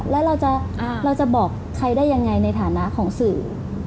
แล้วเราจะบอกใครได้ยังไงในฐานะของสื่อ